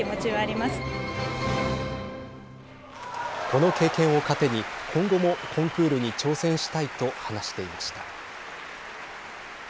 この経験を糧に今後もコンクールに挑戦したいと話していました。